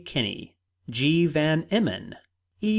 Kinney, G. Van Emmon, E.